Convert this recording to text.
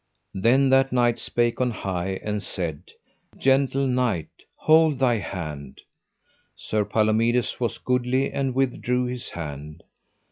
Then that knight spake on high and said: Gentle knight, hold thy hand. Sir Palomides was goodly and withdrew his hand.